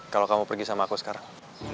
kalau kamu pergi sama aku sekarang